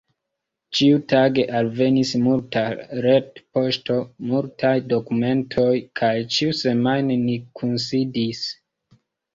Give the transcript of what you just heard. Ĉiutage alvenis multa retpoŝto, multaj dokumentoj, kaj ĉiusemajne ni kunsidis.